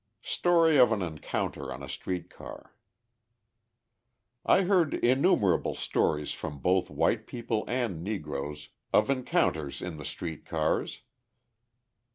Story of an Encounter on a Street Car I heard innumerable stories from both white people and Negroes of encounters in the street cars.